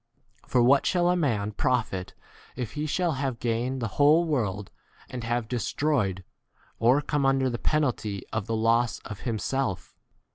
For what shall a man profit if he shall have gained the whole world and have destroyed, or come under the penalty of the 28 loss of himself